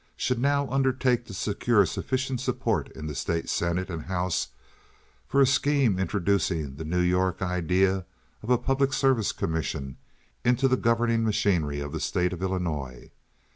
should now undertake to secure sufficient support in the state senate and house for a scheme introducing the New York idea of a public service commission into the governing machinery of the state of Illinois.